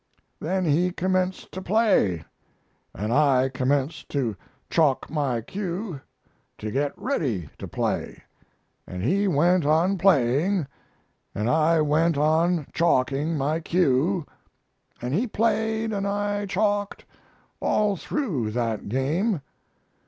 Then he commenced to play, and I commenced to chalk my cue to get ready to play, and he went on playing, and I went on chalking my cue; and he played and I chalked all through that game.